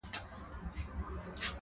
د معلوماتو هر فایل په صفر او یو بدلېږي.